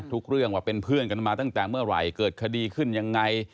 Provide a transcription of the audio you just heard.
เรื่องว่าเป็นเพื่อนกันมาตั้งแต่เมื่อไหร่เกิดคดีขึ้นยังไง